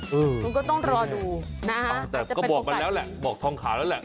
คุณก็ต้องรอดูนะแต่ก็บอกมันแล้วแหละบอกทองขาวแล้วแหละ